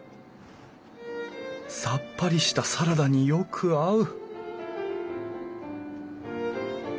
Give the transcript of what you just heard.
さっぱりしたサラダによく合う！